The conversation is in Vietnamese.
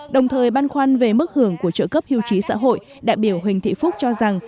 đồng thời băn khoăn về mức hưởng của trợ cấp hưu trí xã hội đại biểu huỳnh thị phúc cho rằng